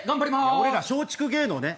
いや俺ら松竹芸能ね